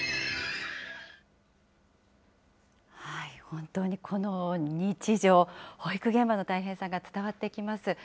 本当にこの日常、保育現場の大変さが伝わってきます。